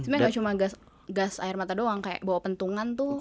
sebenarnya nggak cuma gas air mata doang kayak bawa pentungan tuh